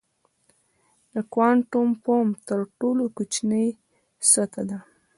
د کوانټم فوم تر ټولو کوچنۍ سطحه ده.